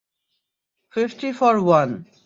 Fifty four one.